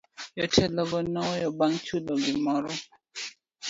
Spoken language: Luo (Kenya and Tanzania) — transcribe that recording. Jotelo go ne owe bang' chulo gimoro.